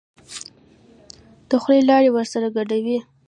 د خولې لاړې ورسره ګډوي.